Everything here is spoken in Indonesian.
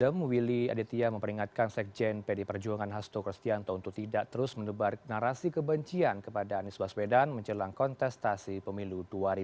tim willy aditya memperingatkan sekjen pd perjuangan hasto kristianto untuk tidak terus menebar narasi kebencian kepada anies baswedan menjelang kontestasi pemilu dua ribu dua puluh